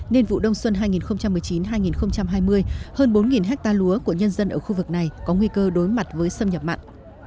nên vụ đông xuân hai nghìn một mươi chín hai nghìn hai mươi hơn bốn hectare lúa của nhân dân ở khu vực này có nguy cơ đối mặt với xâm nhập mặn